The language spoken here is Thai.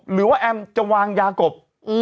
หรือว่าแอมจะวางยากบ